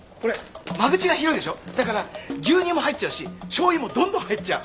だから牛乳も入っちゃうししょうゆもどんどん入っちゃう。